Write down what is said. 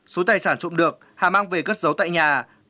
số tài sản trộm được hà mang về cất giấu tại nhà